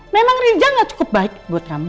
memang rija gak cukup baik buat kami